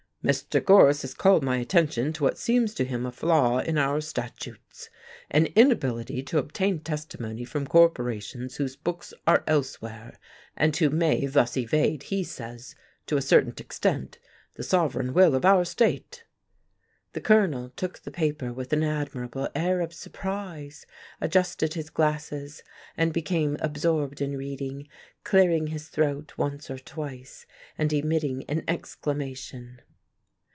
"Mr. Gorse has called my attention to what seems to him a flaw in our statutes, an inability to obtain testimony from corporations whose books are elsewhere, and who may thus evade, he says, to a certain extent, the sovereign will of our state." The Colonel took the paper with an admirable air of surprise, adjusted his glasses, and became absorbed in reading, clearing his throat once or twice and emitting an exclamation.